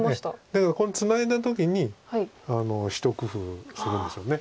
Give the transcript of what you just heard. だからこれツナいだ時に一工夫するんですよね。